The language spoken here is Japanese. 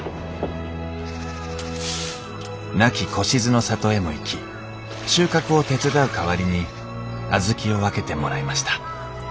亡き小しずの里へも行き収穫を手伝う代わりに小豆を分けてもらいました